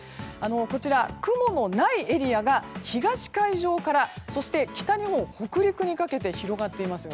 こちら、雲のないエリアが東海上から北日本、北陸にかけて広がっています。